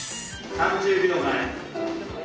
３０秒前。